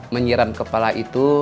menyiram kepala itu